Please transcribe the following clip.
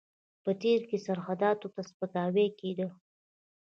په تېر کې سرحداتو ته سپکاوی کېده.